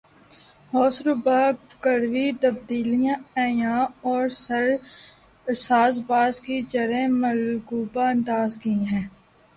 ہوشربا کڑوی تبدیلیاں عیاں اور سازباز کی جڑیں ملغوبہ انداز کی ہیں